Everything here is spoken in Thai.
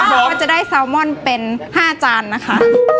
เพราะว่าจะได้ซาวม่อนเป็น๕จานนะคะ